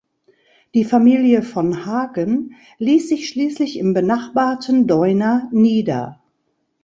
Die Familie von Hagen ließ sich schließlich im benachbarten Deuna nieder.